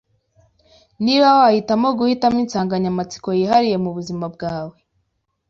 Niba wahitamo guhitamo insanganyamatsiko yihariye mubuzima bwawe